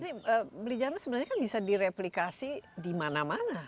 jadi beli jalanan sebenarnya bisa direplikasi di mana mana